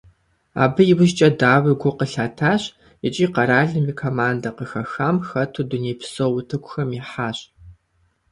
Абы иужькӏэ, дауи, гу къылъатащ икӏи къэралым и командэ къыхэхам хэту дунейпсо утыкухэм ихьащ.